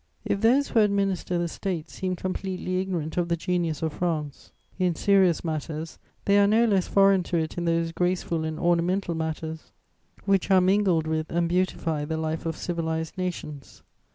"If those who administer the State seem completely ignorant of the genius of France in serious matters, they are no less foreign to it in those graceful and ornamental matters which are mingled with and beautify the life of civilized nations.